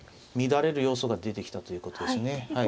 乱れる要素が出てきたということですね。